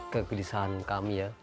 kegelisahan kami ya